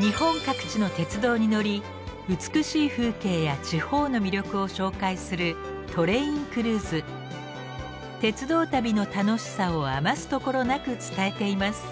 日本各地の鉄道に乗り美しい風景や地方の魅力を紹介する鉄道旅の楽しさを余すところなく伝えています。